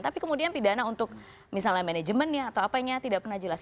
tapi kemudian pidana untuk misalnya manajemennya atau apanya tidak pernah jelas